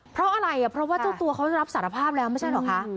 นั่นอะสิเพราะว่าเจ้าตัวเขารับสรรพาพแล้วไม่ใช่เหรอคะ